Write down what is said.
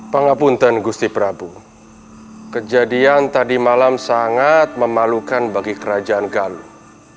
pengapunten gusti prabu kejadian tadi malam sangat memalukan bagi kerajaan galuh